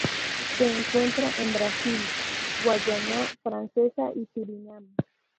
Se encuentra en Brasil, Guayana Francesa y Surinam.